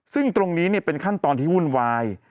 ซึ่งตรงนี้เป็นขั้นตอนที่วุ่นวาย